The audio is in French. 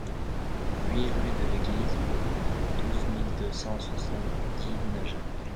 huit rue de L'Église, douze mille deux cent soixante-dix Najac